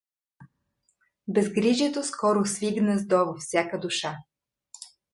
Безгрижието скоро сви гнездо във всяка душа.